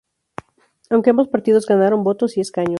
Aunque ambos partidos ganaron votos y escaños.